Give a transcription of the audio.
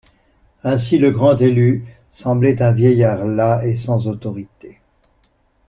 Ainsi le Grand-Élu semblait un vieillard las et sans autorité.